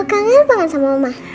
aku kangen banget sama mama